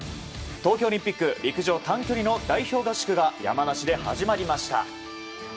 東京オリンピック陸上短距離の代表合宿が山梨で始まりました。